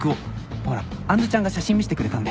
ほら杏ちゃんが写真見してくれたんで。